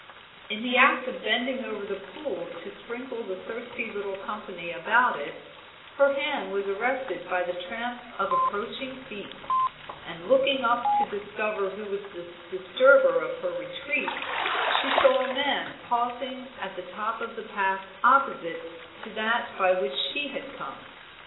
In the act of bending over the pool to sprinkle the thirsty little company about it, her hand was arrested by the tramp of approaching feet, and looking up to discover who was the disturber of her retreat, she saw a man pausing at the top of the path opposite to that by which she had come.